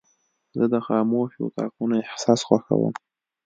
زه د خاموشو اتاقونو احساس خوښوم.